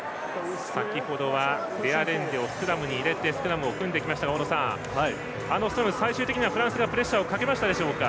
先程はデアレンデをスクラムに入れてスクラムを組んできましたが大野さん、あのスクラムは最終的にはフランスがプレッシャーをかけましたでしょうか。